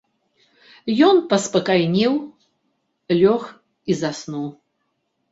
Ён паспакайнеў, лёг і заснуў.